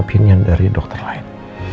opinion dari dokter lain